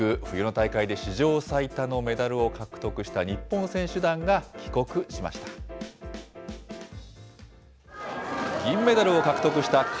冬の大会で史上最多のメダルを獲得した日本選手団が帰国しました。